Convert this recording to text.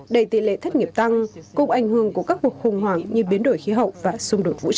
đầy tỷ lệ thất nghiệp tăng cùng ảnh hưởng của các cuộc khủng hoảng như biến đổi khí hậu và xung đột vũ trang